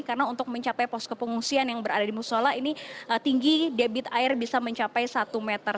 karena untuk mencapai posko pengusian yang berada di musola ini tinggi debit air bisa mencapai satu meter